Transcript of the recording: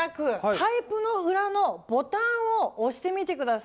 パイプの裏のボタンを押してみてください。